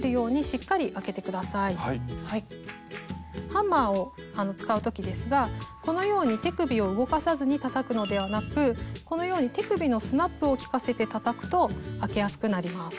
ハンマーを使う時ですがこのように手首を動かさずにたたくのではなくこのように手首のスナップをきかせてたたくとあけやすくなります。